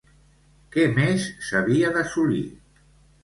Què més s'havia d'assolir?